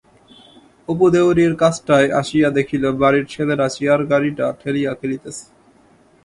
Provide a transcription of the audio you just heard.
অপু দেউড়ির কাছটায় আসিয়া দেখিল বাড়ির ছেলেরা চেয়ার-গাড়িটা ঠেলিয়া খেলিতেছে।